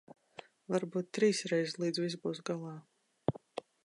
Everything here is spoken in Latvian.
Varbūt trīsreiz, līdz viss būs galā.